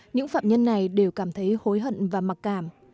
những phạm nhân này đều cảm thấy hối hận và mặc cảm